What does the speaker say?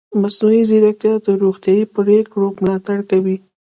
مصنوعي ځیرکتیا د روغتیايي پریکړو ملاتړ کوي.